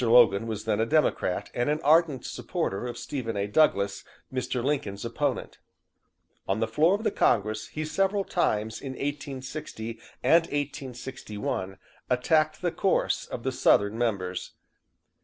Logan was then a Democrat and an ardent supporter of Stephen A. Douglas, Mr. Lincoln's opponent. On the floor of Congress he several times in 1860 and 1861 attacked the course of the Southern members.